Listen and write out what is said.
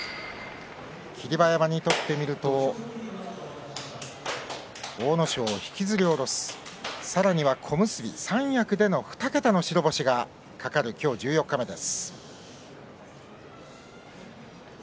霧馬山にとってみると阿武咲を引きずり下ろすさらには小結、三役での２桁の白星が懸かる今日、十四日目です。